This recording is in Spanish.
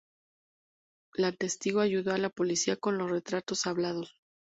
La testigo ayudó a la policía con los retratos hablados.